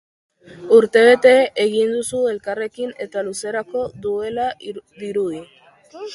Urtebete egin duzue elkarrekin eta luzerako dela dirudi.